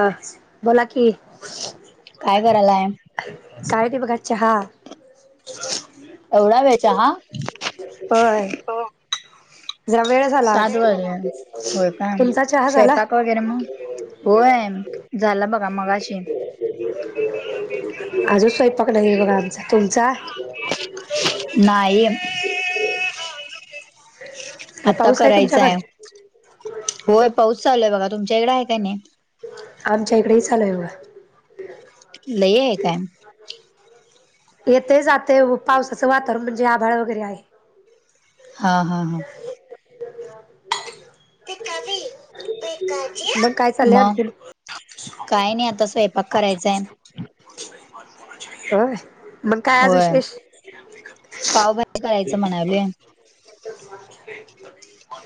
अ बोला की काय करायला काय ते बघा चहा एवढा वेळ चहा होय जरा वेळ झाला आज सात वाजले तुमचा चहा झाला रे मग हो आहे झालं बघा मगाशी अजून स्वयंपाक नाही आहे बघा आमचा तुमचा नाही काय आता पाऊस करायचं आहे तुमच्याकडे होय पाहच चालूय बघा तुमच्या इकडें आहे काय नाही आमच्या इकडेही चालु आहे लयी आहे काय येतय जातेय ओ पावसाचं वातावरण म्हणजे आभाळ वगैरे आहे. हां हां हां मग काय चाललंय मग. आणखीन कायं नाहीं आता स्वयंपाक करायचाय. अ [unintelligible] मग काय आज होय विशेष.. म पावभाजी करायचं म्हणाले काय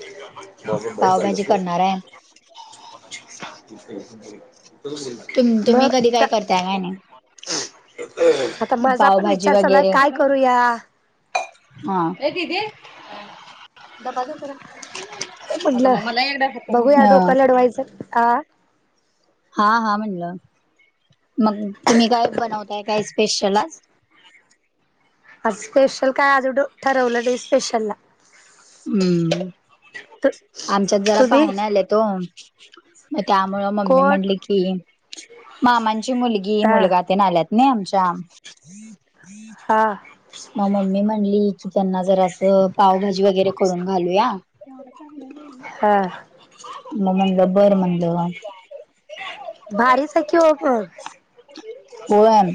पावभाजी चालूत करणार [unintelligible] आहे [unintelligible] हॅल तुम तुम्ही कधी काय का करताय काय नाही [unintelligible] तर माझा पण पावभाजी विचार चालाय वगैरे काय करूया. हा दिदे डबा दे जरा. म्हटलं बघूया डोकं लढवायचं ह. हा हा म्हणलं मग तुम्ही काय बनवताय काय स्पेशलच. स्पेशल काय अजून ठरवलं नाही स्पेशल ला हम्मं आमच्यांत जरा तुम्ही पाहुूने आलेत हो. मग त्यामुळं मम्मी कोण? म्हटले की मामांची मुलगी हा मुलगा ते ना आल्यात. ना आमच्या. हां मग मम्मी म्हणली की त्यांना जरास. पावभाजी वगैरे करून घालूया हा म म्हणलं बर म्हणलं. भारीच आहे की ओ मग.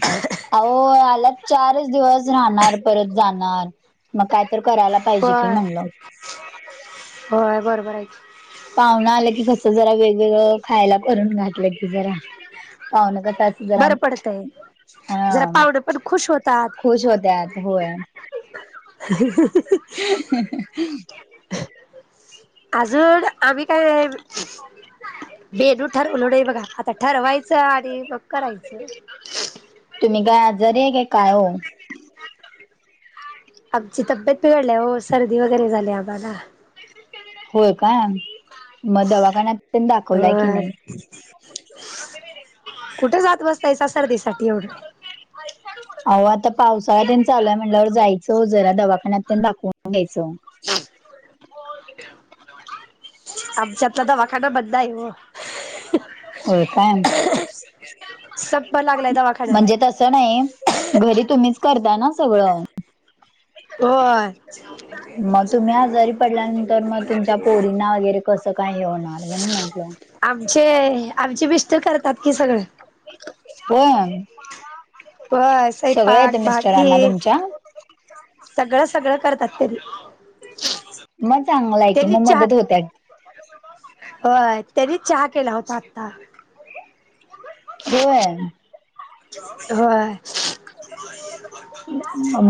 ह [unintelligible] अह आला चारच दिवस राहणार परत जाणार. मग काय तर करायला पाहिजे की होय म्हणलं होतं. होय बरोबर आहे. पाहुना आलं की कसं जरा वेगवेगळं खायला करूंन घातलं की. जरा पाहुन कस अस जरा बरं पडतंय हा. जरा पाहुणे पण खुश होत्यात होय. ह [unintelligible] [unintelligible] आजवर आम्हीं कायं. बेनू ठरवूनढ बघा आता ठरवायचं आणि मग करायचं. तुम्ही काय आजारी आहे काय काय हो. आमची तब्येत बिघडली ओ सर्दी वगैरे झाली आम्हाला. होय काय मग दवाखान्यात दाखवलाय की होय. नाही. कुठे जात बसतायचा सर्दी साठी एवढं. आय फूट. होव आता पावसाळ्यांत चालूंय म्हणल्यावर जायचं हो जरा दवाखान्यात पणं दाखवून घ्यायचं. ह [unintelligible] आमच्यातला दवाखाना बंद आहे ओ होय काय? संप लागलाय दवाखान्या म असं नाहीं घरी तुम्हीचं करतां नां सगळं. होय मग तुम्ही आजारी पडल्यानंतर मग तुमच्या पोरींना वगैरे कसं काय हे होणार म्हणून म्हंटलं. आमचे आमचे मिस्टर करतांत कीं सगळं. हो. बस स्वयंपाक भाजी तुमच्या? सगळं सगळं करतात तरी. मगं चांगलं आहे की मगं मदत होतं. [inaudible] होय. त्यांनी चहा केला होतां आता. होय. होय.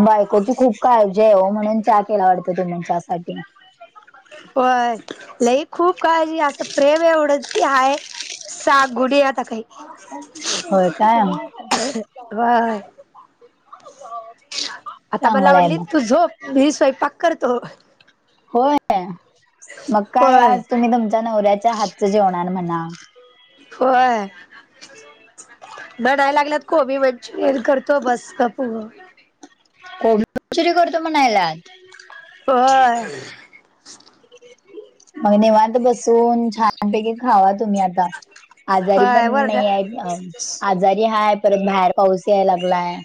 बायकोची खूप काळजी आहे म्हणून चा - - केला वाटतं तुम्च्यासाठी. होय. लई खूप काळजी, असं प्रेम एवढं ती हाय. सागुडी आता काही होय काय. [unintelligible] व्हयं. आता म चांगलं आहे मग. लावलीत तू झोप. मी स्वयंपाक करतो. होय. मग काय होय आज तुम्ही तुमच्या नवऱ्याच्या हातचं जेवणार म्हणा. होय. बणाय लागल्यांत कोबी मं - - चुरी करतो बसं. करतो बसं- - कोबमनचुरी करतो म्हणयलात. होय. मग निवांत बसून छान पैकी खावा तुम्हीं आता. आजारी होय पणं वरड नाहीं हायसा. आजारी हाय परत बाहेर पाऊस याय लागलाय.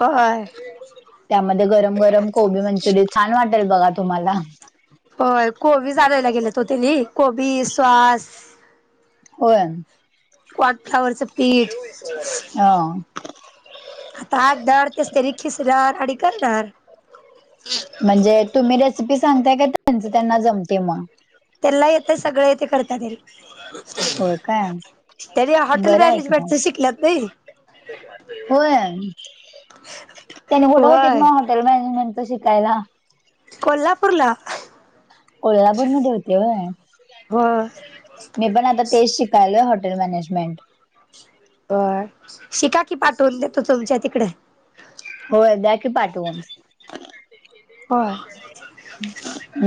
होय. त्यांमध्ये गरम गरम कोबी मंचुरि छान वाटेल बघा तुम्हांला. होय. कोबी आणायला गेलेत ओ तेनी. कोबी, सॉस. होय. कॉनफ्लावरचं पीठ. ह आता आठ [unintelligible] कसंतरी खिसणांर आणि करणारं. म्हणजे तुम्ही रेसिपी सांगताय का? त्यांच त्यांना जमतयं मग. तेनला येतयं. सगळ येतयं, करत्या घरी. होय काय तेनी हॉटेल बरं आहे की मग. मॅनेजमेंटच शिकल्यात कनी. होय. त्यानी कुठं होती होय मग हॉटेल मॅनेजमेंटच शिकायला? कोल्हापूरला. कोल्हापूरमध्ये होते होय. होय मी पण आता तेच शिकायलोय हॉटेल मॅनेजमेंट. शिका की पाठवून देतो तुमच्या तिकडं. होय द्या की पाठवून. होय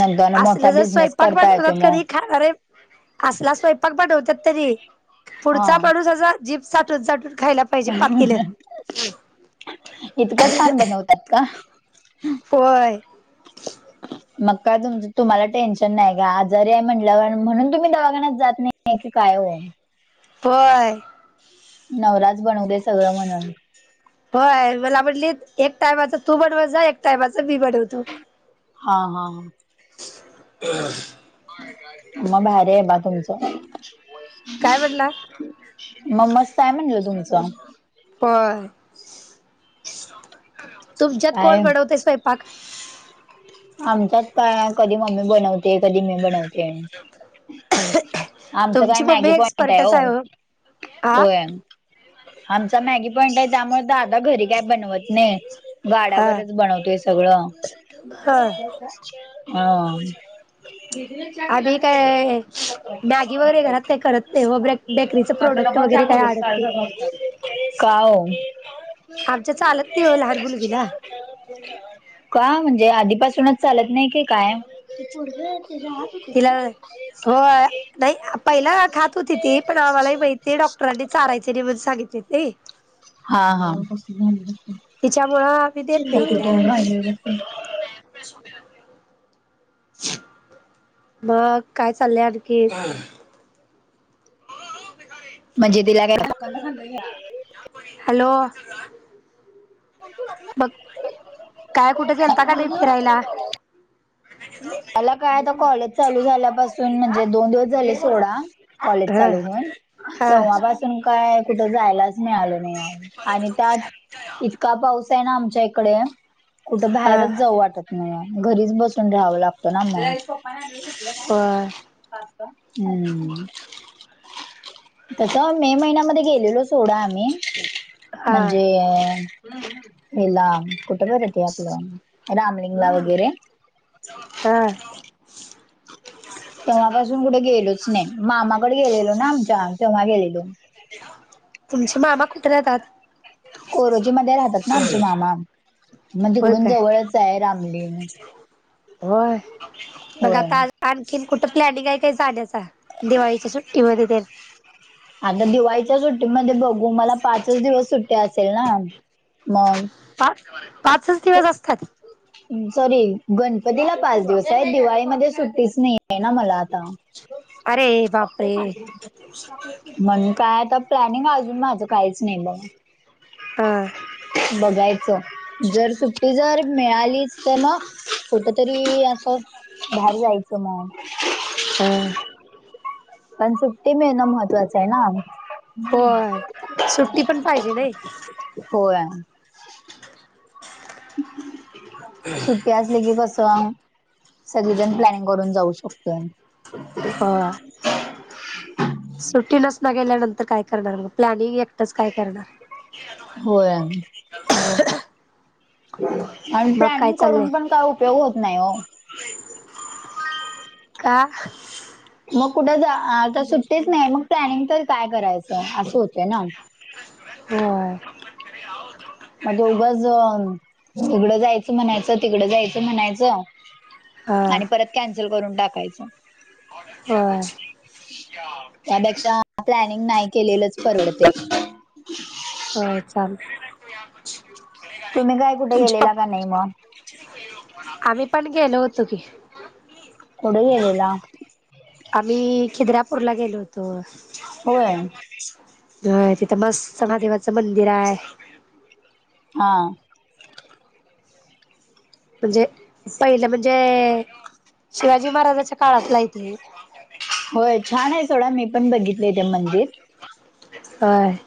नंतरनं मोठा बिजनेस करता यतोयं म. थांब अरे. असला स्वयंपाक बनवत्यात तेनी हा पुढचा माणुस असा जीभ चाटून चाटून खायला - - इतकं छान बनवतात का? होय. मग का तुम तुम्हाला टेन्शन नाही घ्या. आजारी हाय म्हणल्यावर म्हणून तुम्ही दवाखान्यात जात नाही. [unintelligible] काय ओ. होय. नवराचं बनवतोयं सगळं म्हणून. हो. य मला म्हटलीत एक टायमाचं तू बणवत जा. एक टायमाचं मी बणवतो. हा, हा. हम [inaudible] म भारी हाय बा तुमचं. काय म्हटला? म मस्त हाय म्हणलं तुमचं. होय. तुमच्यात कोण काय बनवतयं स्वयंपाक? आमच्यात काय कधी मम्मी बनवते. कधी मी बनवते. आमचं काय तुमची मम्मी मॅगी पॉइंट आहे एक्सपर्टच हो. हा हो एम आमचा मॅगी पॉईंट आहे त्यामुळे दादा घरी काय बनवत नाही. हा गाड्यावरच बनवतोय सगळं ह हा. आभी काय मॅगी वगैरे घरात का करत नाही. मग ब्रेक. बेकरीच प्रोडक्ट वगैरे काय आडत र काओ? आमच्या चालत नाही लहानं मुलगीला. का म्हणजे आधीपासूनच चालत नाही की काय? तिला होय, नाही पहिला खात होती ती पण आम्हालाही माहीती आहे डॉक्टरांनी चारायच. त्यारी मण सगितले ते हा हा ब तिच्यामुळं ती देत नाही तिला बघ काय चाललं आणखी. म्हणजे तिला काय हॅलो बघ काय कुठे गेलता का नाही फिरायला. मला काय आता कॉलेज चालू झाल्यापासून म्हणजे दोन दिवस झाले सोडा. कॉलेज ह चालू होन ह तेव्हापासून काय कुठं जायलाच मिळाल. आणि त्यात इतका पाऊस आहे ना आमच्या इकडे कुठं हा बाहेरच जाऊ वाटत म्ह घरीच बसून राहावं लागतो ना म्हण. शोपाना आलं शकलं होय काय हम्म तस मे महिन्यामध्ये गेलेलो. सोडा आम्ही हा म्हणजे हेला. कुठं बर आपलं रामलिंगला वगैरे हा तेव्हापासून कुठे गेलोच नाही. मामाकडे गेलेलो ना आमच्या तेव्हा गेलेलो. तुमचे मामा कुठे राहा तात. कोरोजी मध्ये राहतात ना आमचे मामा मग होय तिकडून काय जवळच आहे रामलीगं. होय, मग आता आणखीन कुठं प्लॅनिंग आहे काय जाण्याचा दिवाळीच्या सुट्टीमध्ये ते आता दिवाळीच्या सुट्टीमध्ये बघू मला पाचच दिवस सुट्टी असेल ना मग पाच पाचच दिवस असतात सॉरी गणपतीला पाच दिवस आहे दिवाळीमध्ये सुट्टीच नाही आहे ना मला आता अरे बापरे म्हणून काय आता प्लॅनिंग अजून माझं काहीच नाही बघ. हां बघायचं जर सुट्टी जर मिळालीच तर ना कुठ तरी असं बाहेर जायचं मग ह पण सुट्टी मिळणं महत्त्वाचं आहे ना होय, सुट्टी पण पाहिजे नाही. होय सुध त्यास लागी [unintelligible] सगीजन प्लॅनिंग करून जाऊ शकतो. त होवा सुट्टी नस न गेल्यानंतर काय करणार मग प्लॅनिंग एकटंच काय करणार. होय आणि मग काय प्लॅनिंग चाललंय करून पण काय? पेऊ होत नाही. हो का? मग कुठ जा आता सुट्टीच नाही. मग प्लॅनिंग तर काय करायचं असं होतंय ना. हो. मग ते उगच अ हिकडं जायचं म्हणायचं-तिकडं जायचं म्हणायचं. हा आणि परत कॅन्सल करून टाकायचं. होय. त्यापेक्षा प्लॅनिंग नाही केलेलंच परवडते. होय. छान तुम्ही काय कुठे गेलेला का नाही मगं. आम्ही पण गेलो होतो की. कुठं गेलेला? आम्ही खिद्रापूरला गेलो होतो. होय. होय, तिथं मस्त महादेवाचं मंदिर आहे. हा. म्हणजे, पहिलं म्हणजे शिवाजी महाराजाच्या काळातला हाय ते. होय. छान आहे सोडा मी पण बघितले ते मंदिर. होय.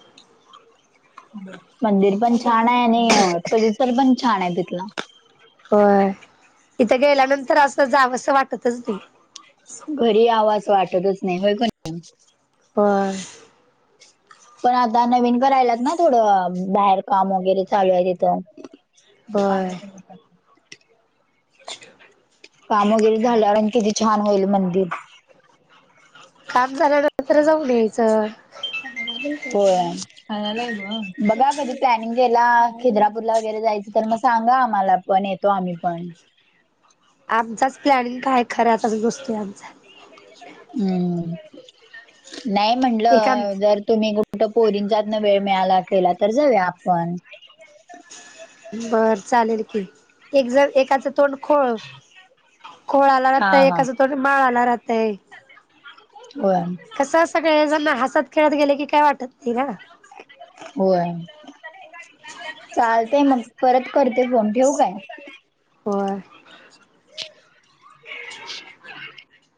मंदिर पण छान आहे आणि परिसर पण छान आहे तिथला. होय. इथं गेल्यानंतर असं जावसं वाटतच नाही. घरी यावास वाटतच नाही होय कन. होय. पण आता नवीन करायलात ना थोडं, बाहेर काम वगैरे चालू आहे तिथं. पाय [unintelligible] अच का [unintelligible] काम वगैरे झाल्यावर आणि किती छान होईल मंदिर. काम झाल्यानंतर जाऊन यायचं. होय. बघा कधी प्लॅनिंग केला खिद्रापूरला वगैरे जायचं. तर मग सांगा आम्हाला पण येतो आम्ही पण आमचाच प्लॅनिंग काय खऱ्यातच गोष्टी हम्म, नाही एक आम म्हटलं जर तुम्ही कु ठ पोरींचातन वेळ मिळाला केला तर जाऊया आपण बरचालेल की. एक जण एकाचं तोंड खोळ खोळाला हा राहतय, हा एकाचा तोड माळाला राहतय. होय कसं सगळे जण हसत खेळत गेले की काय वाटत नाही ना, होय. चालतेय मग परत करते फोन ठेवू काय? होय. [unintelligible]